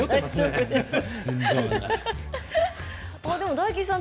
大吉さん